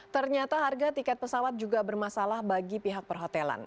ternyata harga tiket pesawat juga bermasalah bagi pihak perhotelan